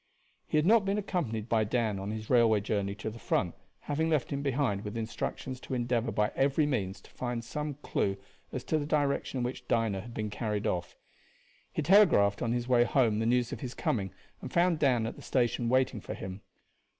He had not been accompanied by Dan on his railway journey to the front, having left him behind with instructions to endeavor by every means to find some clew as to the direction in which Dinah had been carried off. He telegraphed on his way home the news of his coming, and found Dan at the station waiting for him.